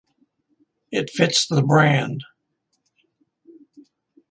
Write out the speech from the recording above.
It fits the brand.